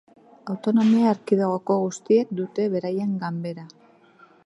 Autonomia erkidegoko guztiek dute beraien ganbera.